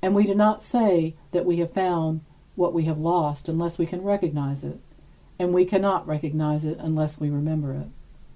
And we do not say that we have found what we have lost unless we can recognize it, and we cannot recognize it unless we remember it.